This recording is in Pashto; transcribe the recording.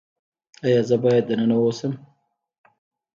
ایا زه باید دننه اوسم؟